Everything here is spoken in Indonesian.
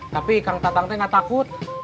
tapi kang tatang tengah takut